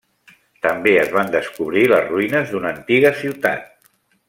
També es van descobrir les ruïnes d'una antiga ciutat.